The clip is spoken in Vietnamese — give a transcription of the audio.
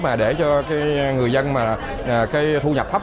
mà để cho người dân mà thu nhập thấp